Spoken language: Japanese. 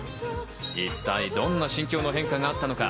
一体どんな心境の変化があったのか？